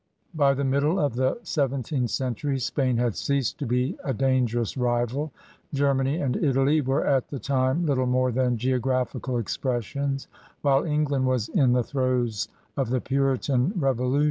By the middle of the seventeenth century Spain had ceased to be a dangerous rival; Germany and Italy were at the time little more than geographi cal expressions, while England was in the throes of the Puritan Revolution.